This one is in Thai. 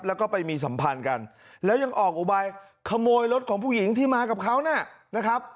แล้วก็ไปมีสัมพันธ์กันแล้วยังออกอุบายขโมยรถของผู้หญิงที่มากับเขานะครับ